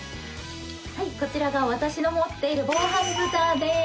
こちらが私の持っている防犯ブザーです！